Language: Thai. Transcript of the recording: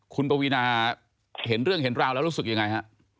คุณปวีนาเห็นเรื่องเห็นราวแล้วรู้สึกยังไงฮะ